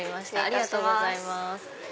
ありがとうございます。